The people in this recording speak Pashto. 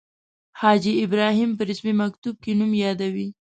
حاجي ابراهیم په رسمي مکتوب کې نوم یادوي.